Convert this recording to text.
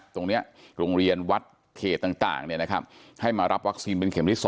โรงเรียนวัดเขตต่างให้มารับวัคซีนเป็นเข็มที่๒